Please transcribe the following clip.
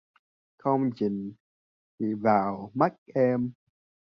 Không nhìn vào mắt em